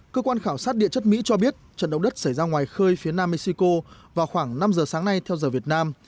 cơ quan khảo sát địa chất mỹ cho biết trận động đất xảy ra ngoài khơi phía nam mexico vào khoảng năm giờ sáng nay theo giờ việt nam